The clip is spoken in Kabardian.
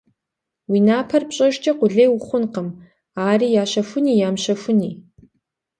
Уи напэр пщэжкӀэ къулей ухъунукъым, ари ящэхуни-ямыщэхуни.